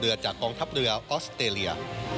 จากกองทัพเรือออสเตรเลีย